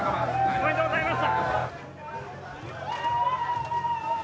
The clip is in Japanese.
おめでとうございます。